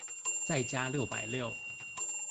再加六百六